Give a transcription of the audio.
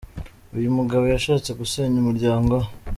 Uyu mugabo yashatse gusenya umuryango we.